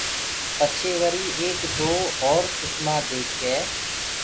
پچهي وري ايڪ دو اور چشمآ ديک ڪي۔